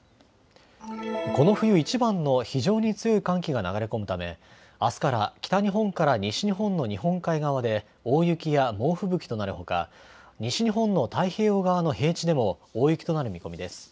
この冬いちばんの非常に強い寒気が流れ込むためあすから北日本から西日本の日本海側で大雪や猛吹雪となるほか西日本の太平洋側の平地でも大雪となる見込みです。